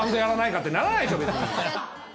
ってならないでしょ別に！